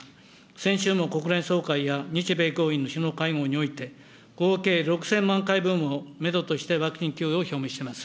先週も国連総会や日米豪印の首脳会合において、合計６０００万回分をメドとして、ワクチン供与を表明しています。